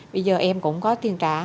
bây giờ em cũng có tiền trả